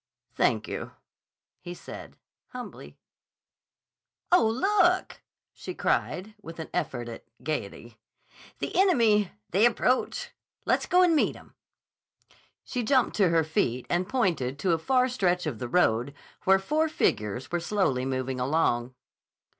"Thank you," he said humbly. "Oh, look!" she cried with an effort at gayety. "The enemy! They approach. Let's go and meet 'em." She jumped to her feet and pointed to a far stretch of the road where four figures were slowly moving along.